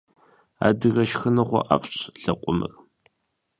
Адыгэ шхыныгъуэ ӏэфӏщ лэкъумыр.